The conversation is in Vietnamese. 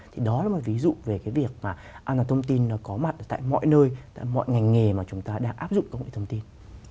thì đó là một ví dụ về cái việc mà an toàn thông tin nó có mặt ở tại mọi nơi tại mọi ngành nghề mà chúng ta đang áp dụng công nghệ thông tin